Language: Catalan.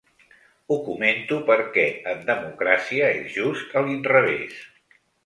Ho comento perquè en democràcia és just a l’inrevés.